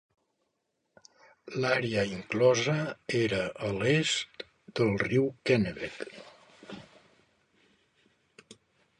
L'àrea inclosa era a l'est del riu Kennebec.